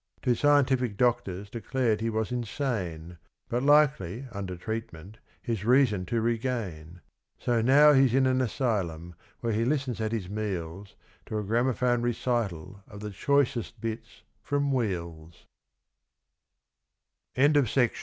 "5 Two scientific doctors declared he was insane. But likely under treatment his reason to regain ; So he's now in an asylum, where he listens at his meals To a gramophone recital of the choicest bits from "